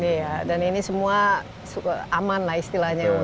iya dan ini semua aman lah istilahnya